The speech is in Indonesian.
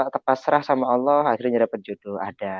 tepat serah sama allah akhirnya dapet jodoh